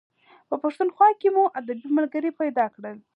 په پښتونخوا کې مو ادبي ملګري پیدا کړل.